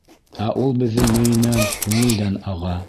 Ә ул беҙҙең мейенән, күңелдән аға.